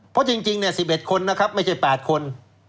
เพราะจริง๑๑คนนะครับไม่ใช่๘คน